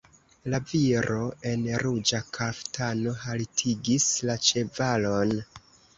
La viro en ruĝa kaftano haltigis la ĉevalon.